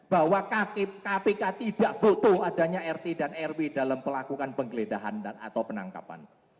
bahwa kpk tidak butuh adanya rt dan rw dalam pelakukan penggeledahan atau penangkapan